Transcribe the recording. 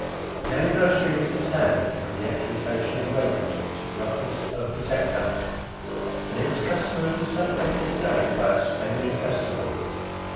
The anniversary was at hand of the exaltation of Raymond to the office of Protector; and it was customary to celebrate this day by a splendid festival.